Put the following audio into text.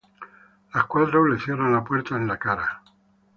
Las cuatro le cierran la puerta en la cara.